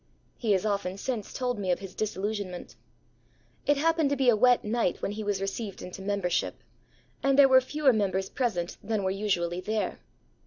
He has often since told me of his disillusionment. It happened to be a wet night when he was received into membership, and there were fewer members present than were usually there.